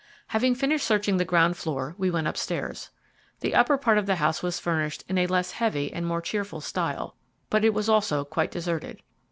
Having finished searching the ground floor we went upstairs. The upper part of the house was furnished in a less heavy and more cheerful style, but it was also quite deserted.